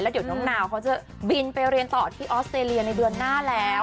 เดี๋ยวน้องนาวเขาจะบินไปเรียนต่อที่ออสเตรเลียในเดือนหน้าแล้ว